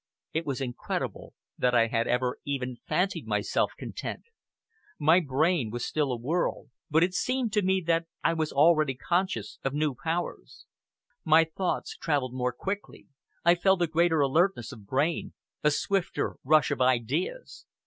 It was incredible that I had ever even fancied myself content. My brain was still in a whirl, but it seemed to me that I was already conscious of new powers. My thoughts travelled more quickly, I felt a greater alertness of brain, a swifter rush of ideas.